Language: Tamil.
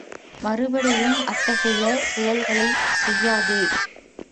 மறுபடியும் அத்தகைய செயல்களைச் செய்யாதே.